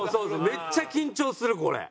めっちゃ緊張するこれ。